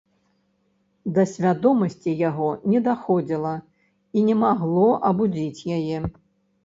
Да свядомасці яго не даходзіла і не магло абудзіць яе.